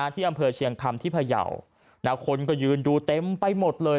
ที่อำเภอเชียงคำที่พยาวคนก็ยืนดูเต็มไปหมดเลย